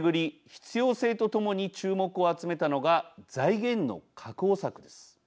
必要性とともに注目を集めたのが財源の確保策です。